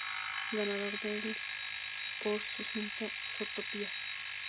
Ganador del por su cinta "Zootopia".